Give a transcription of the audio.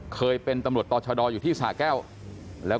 เคยเป็นตำหนดต่อชาวด่อยู่ที่สหาแก้ว